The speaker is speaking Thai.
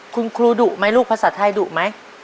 คุณครูดุไหมลูกภาษาไทยดุไหม